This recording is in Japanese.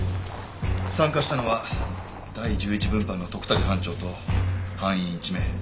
参加したのは第１１分班の徳武班長と班員１名。